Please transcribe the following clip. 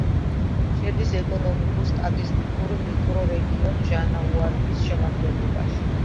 შედის ეკონომიკურ-სტატისტიკურ მიკრორეგიონ ჟანაუარიის შემადგენლობაში.